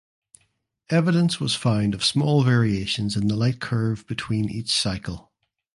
Evidence was found of small variations in the light curve between each cycle.